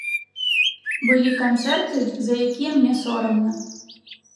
Былі канцэрты, за якія мне сорамна.